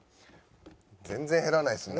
全然減らないですね。